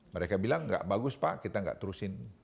mereka bilang nggak bagus pak kita nggak terusin